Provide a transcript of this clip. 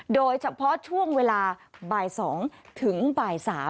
โดยเฉพาะช่วงเวลาบ่าย๒ถึงบ่าย๓